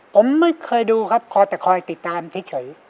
ผมไม่เคยดูครับขอแต่คอยติดตามเฉย